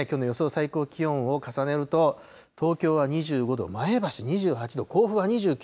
最高気温を重ねると、東京は２５度、前橋２８度、甲府は２９度。